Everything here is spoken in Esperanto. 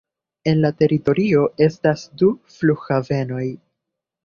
En la teritorio estas du flughavenoj.